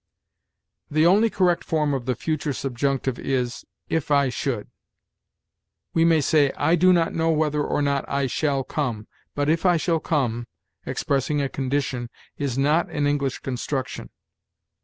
"The only correct form of the future subjunctive is 'if I should.' We may say, 'I do not know whether or not I shall come'; but 'if I shall come,' expressing a condition, is not an English construction.